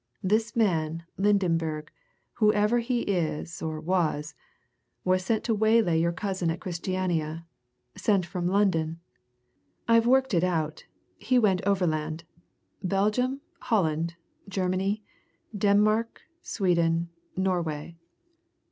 This man, Lydenberg, whoever he is or was, was sent to waylay your cousin at Christiania sent from London. I've worked it out he went overland Belgium, Holland, Germany, Denmark, Sweden, Norway.